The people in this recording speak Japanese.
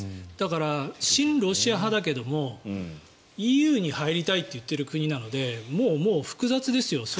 だから親ロシア派だけどＥＵに入りたいといっている国なのでもう複雑ですよ